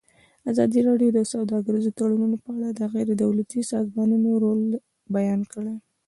ازادي راډیو د سوداګریز تړونونه په اړه د غیر دولتي سازمانونو رول بیان کړی.